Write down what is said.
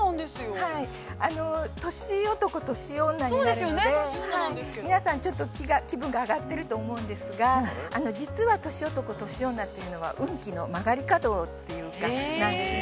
◆はい、年男・年女になるので、皆さんちょっと気分が上がっていると思うんですが、年男・年女というのは、運気の曲がり角というか、なんですね。